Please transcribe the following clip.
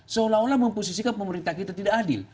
seolah olah memposisikan pemerintah kita tidak adil